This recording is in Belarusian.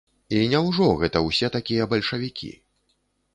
І няўжо гэта ўсе такія бальшавікі.